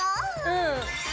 うん。